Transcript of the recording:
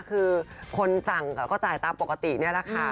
คือคนสั่งก็จ่ายตามปกตินี่แหละค่ะ